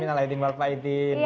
minta lahidin mbak aydin